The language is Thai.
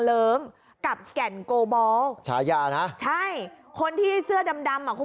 เลิ้งกับแก่นโกบอลฉายานะใช่คนที่เสื้อดำดำอ่ะคุณ